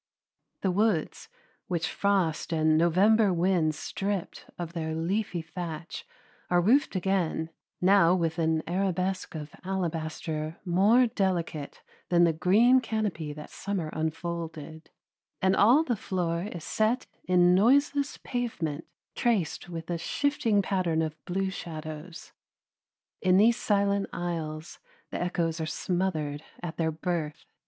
The woods, which frost and November winds stripped of their leafy thatch, are roofed again, now with an arabesque of alabaster more delicate than the green canopy that summer unfolded, and all the floor is set in noiseless pavement, traced with a shifting pattern of blue shadows. In these silent aisles the echoes are smothered at their birth.